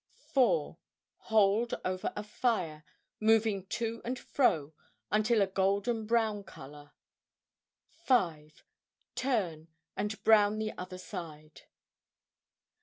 4. Hold over a fire, moving to and fro until a golden brown color. 5. Turn, and brown the other side.